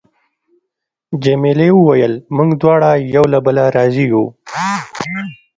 جميلې وويل: موږ دواړه یو له بله راضي یو.